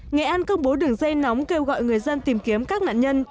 nghệ an công bố đường dây nóng kêu gọi người dân tìm kiếm các nạn nhân